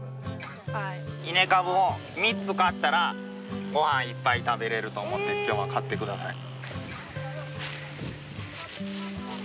稲株を３つ刈ったらごはん１杯食べれると思って今日は刈ってください。